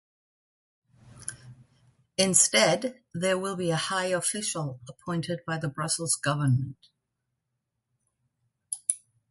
Instead, there will be a "high official" appointed by the Brussels Government.